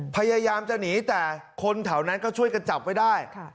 พยายามจะหนีแต่คนแถวนั้นก็ช่วยกันจับไว้ได้